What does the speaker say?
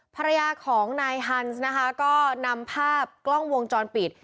ภรรยาของนายฮันส์นะคะก็นำภาพกล้องวงจรปิด